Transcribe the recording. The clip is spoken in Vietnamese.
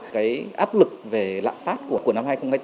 cái áp lực về lạm phát của năm hai nghìn hai mươi bốn